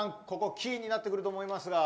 キーになってくると思いますが。